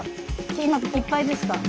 今いっぱいですか？